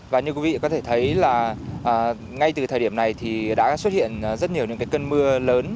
và như quý vị có thể thấy là ngay từ thời điểm này thì đã xuất hiện rất nhiều những cái cơn mưa lớn